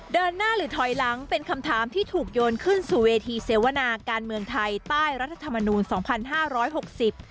เดินหน้าหรือถอยหลังเป็นคำถามที่ถูกโยนขึ้นสู่เวทีเสวนาการเมืองไทยใต้รัฐธรรมนูลสองพันห้าร้อยหกสิบ